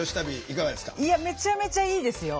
いやめちゃめちゃいいですよ。